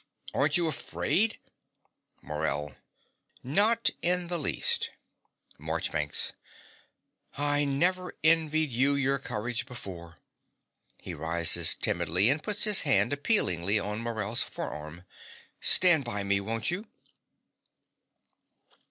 Aren't you afraid? MORELL. Not in the least. MARCHBANKS. I never envied you your courage before. (He rises timidly and puts his hand appealingly on Morell's forearm.) Stand by me, won't you?